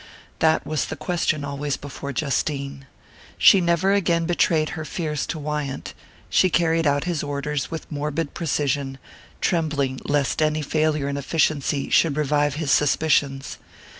That was the question always before Justine. She never again betrayed her fears to Wyant she carried out his orders with morbid precision, trembling lest any failure in efficiency should revive his suspicions.